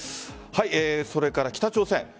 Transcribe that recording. それから北朝鮮。